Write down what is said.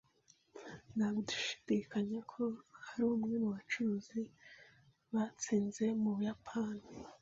Nta gushidikanya ko ari umwe mu bacuruzi batsinze mu Buyapani.